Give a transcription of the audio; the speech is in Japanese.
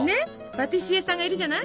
パティシエさんがいるじゃない？